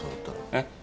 えっ？